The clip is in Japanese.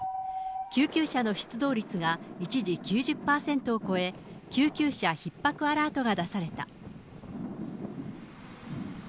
救急車の出動率が一時９０％を超え、救急車ひっ迫アラートが出された。